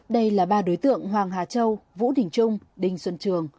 đây là ba đối tượng hoàng hà châu vũ đình trung đình xuân trường